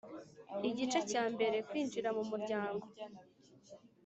Igice cya mbere Kwinjira mu muryango